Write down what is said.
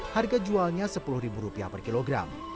harga jualnya sepuluh ribu rupiah per kilogram